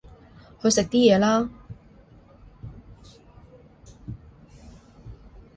去食啲嘢啦